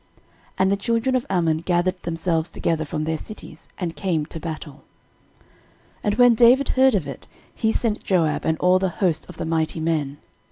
And the children of Ammon gathered themselves together from their cities, and came to battle. 13:019:008 And when David heard of it, he sent Joab, and all the host of the mighty men.